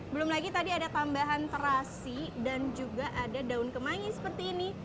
belum lagi tadi ada tambahan terasi dan juga ada daun kemangi seperti ini